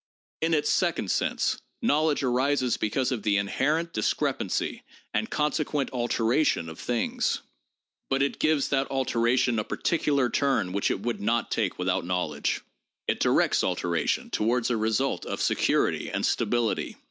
In its second sense, knowledge arises because of the inherent discrepancy and consequent alteration of things. But it gives that alteration a particular turn which it would not take without knowledge— it directs alteration toward a result of security and stability.